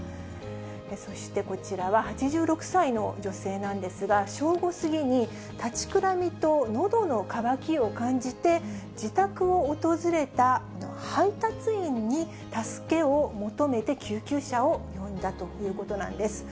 そしてこちらは、８６歳の女性なんですが、正午過ぎに、立ちくらみと、のどの渇きを感じて、自宅を訪れた配達員に助けを求めて救急車を呼んだということなんです。